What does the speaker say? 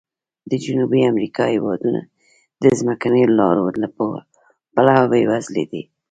د جنوبي امریکا هېوادونه د ځمکنیو لارو له پلوه بې وزلي دي.